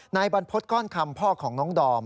นายบรรพฤษก้อนคำพ่อของน้องดอม